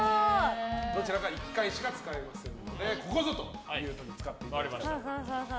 どちらか１回しか使えませんのでここぞというところで使ってください。